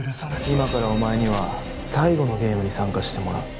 今からお前には最後のゲームに参加してもらう。